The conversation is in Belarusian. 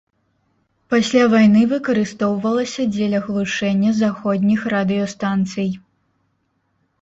Пасля вайны выкарыстоўвалася дзеля глушэння заходніх радыёстанцый.